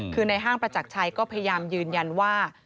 คือในห้างประจักรชัยก็พยายามยืนยันว่า